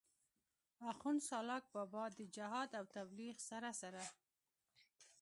آخون سالاک بابا د جهاد او تبليغ سره سره